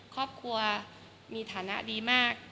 ครอบครัวมีฐานะดีมาก